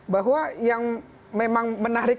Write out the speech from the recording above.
bahwa yang memang menarik